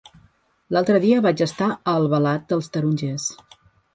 L'altre dia vaig estar a Albalat dels Tarongers.